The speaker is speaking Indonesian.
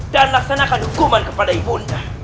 dan laksanakan hukuman kepada ibunya